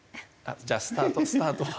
じゃあスタートスタートは。